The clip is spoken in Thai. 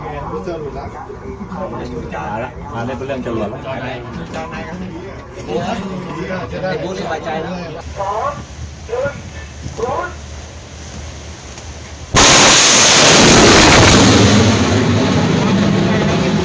ยิง